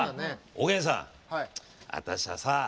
おげんさん、あたしゃさ